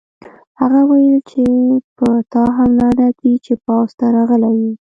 هغه وویل چې په تا هم لعنت وي چې پوځ ته راغلی یې